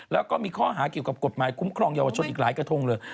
แล้วก็มีข้อหาเกี่ยวกับกฎหมายคุ้มครองเยาวชนอีกหลายกระทงเลย